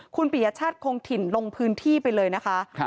คุณปียชาติคงถิ่นลงพื้นที่ไปเลยนะคะ